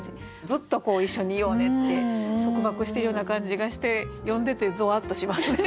ずっと一緒にいようねって束縛しているような感じがして読んでてぞわっとしますね。